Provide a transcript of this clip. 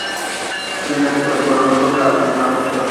প্রয়োজনে দেশের বাইরে পড়ানোর ব্যাপারেও তাই তাঁদের কোনো আপত্তি ছিল না।